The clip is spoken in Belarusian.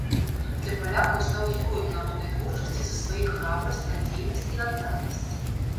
Для палякаў стаў героем народнай творчасці за свае храбрасць, надзейнасць і адданасць.